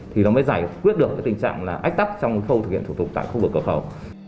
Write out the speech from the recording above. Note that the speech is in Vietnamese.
thì nó mới giải quyết được tình trạng ách tắc trong khu thực hiện thủ tục tại khu vực cửa khẩu